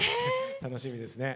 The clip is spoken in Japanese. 楽しみですね。